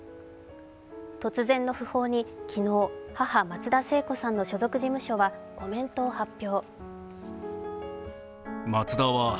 突然の訃報に昨日母・松田聖子さんの所属事務所はコメントを発表。